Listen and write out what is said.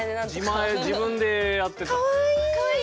自前自分でやってたから。